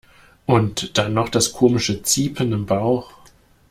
Und dann noch das komische ziepen im Bauch.